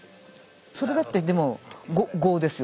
それだってでも業ですよね。